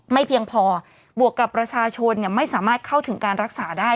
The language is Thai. เพียงพอบวกกับประชาชนไม่สามารถเข้าถึงการรักษาได้